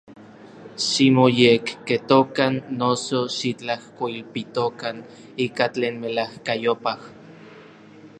Ximoyekketokan, noso, xitlajkoilpitokan ika tlen melajkayopaj.